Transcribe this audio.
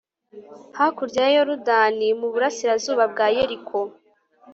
hakurya ya yorudani, mu burasirazuba bwa yeriko